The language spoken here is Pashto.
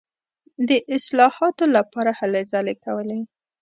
د اصلاحاتو لپاره هلې ځلې کولې.